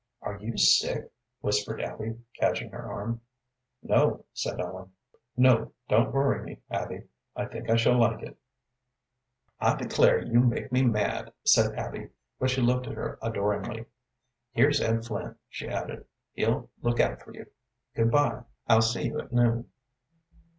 "Are you sick?" whispered Abby, catching her arm. "No," said Ellen. "No, don't worry me, Abby. I think I shall like it." "I declare you make me mad," said Abby, but she looked at her adoringly. "Here's Ed Flynn," she added. "He'll look out for you. Good bye, I'll see you at noon."